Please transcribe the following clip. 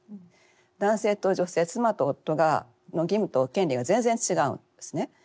男性と女性妻と夫の義務と権利が全然違うんですね。